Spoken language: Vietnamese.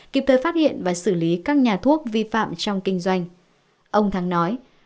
kịp thời phát hiện và xử lý các nhà thuốc vi phạm trong kinh doanh ông thắng nói